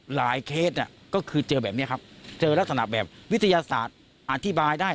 เคสก็คือเจอแบบนี้ครับเจอลักษณะแบบวิทยาศาสตร์อธิบายได้